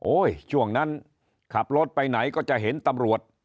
ช่วงนั้นขับรถไปไหนก็จะเห็นตำรวจ